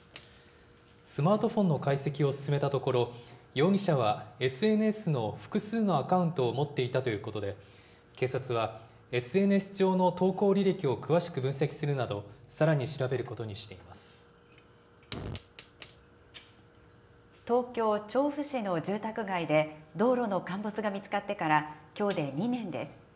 スマートフォンの解析を進めたところ、容疑者はＳＮＳの複数のアカウントを持っていたということで、警察はＳＮＳ上の投稿履歴を詳しく分析するなど、さらに調べるこ東京・調布市の住宅街で、道路の陥没が見つかってからきょうで２年です。